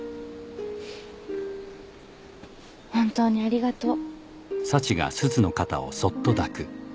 本当にありがとう。